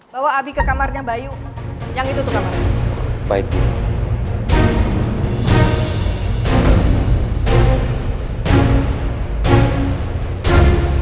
bawa api ke kamarnya bayu yang itu tuh kamarnya